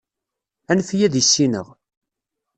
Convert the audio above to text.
Anef-iyi ad issineɣ.